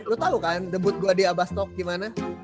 lu tau kan debut gue di abastok gimana